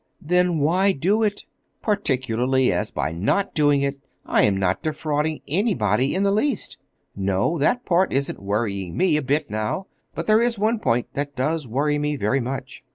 "Then why do it?—particularly as by not doing it I am not defrauding anybody in the least. No; that part isn't worrying me a bit now—but there is one point that does worry me very much."